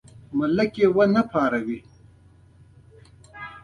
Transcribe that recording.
ملک یې ونه پاروي.